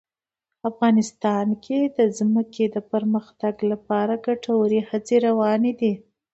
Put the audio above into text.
افغانستان کې د ځمکه د پرمختګ لپاره ګټورې هڅې روانې دي.